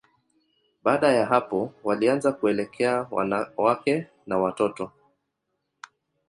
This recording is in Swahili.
Baada ya hapo, walianza kuelekea wanawake na watoto.